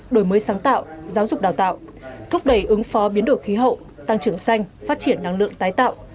đổi mới sáng tạo giáo dục đào tạo thúc đẩy ứng phó biến đổi khí hậu tăng trưởng xanh phát triển năng lượng tái tạo